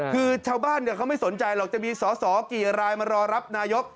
คือชาวบ้านเขาไม่สนใจหรอกจะมีสอสอกี่รายมารอรับนายก